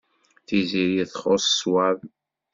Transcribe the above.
Tiziri txuṣṣ ṣṣwab.